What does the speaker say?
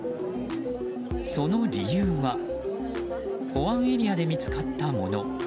その理由は保安エリアで見つかったもの。